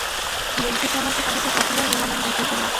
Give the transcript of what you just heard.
বৃদ্ধসমাজে তাহাকে কখনোই বেমানান দেখাইত না।